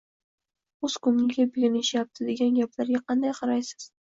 o‘z ko‘ngliga bekinishyapti, degan gaplarga qanday qaraysiz?